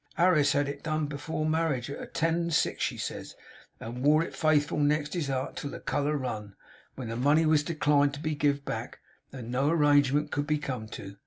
Harris had it done afore marriage at ten and six," she says, "and wore it faithful next his heart till the colour run, when the money was declined to be give back, and no arrangement could be come to.